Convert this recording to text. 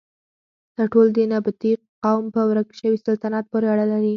دا ټول د نبطي قوم په ورک شوي سلطنت پورې اړه لري.